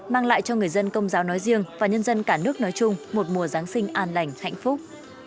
mang lại cho người dân công giáo nói riêng và nhân dân cả nước nói chung một mùa giáng sinh an lành hạnh phúc